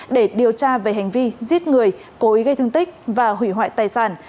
để điều tra về hành vi giết người cố ý gây thương tích và hủy hoại tài sản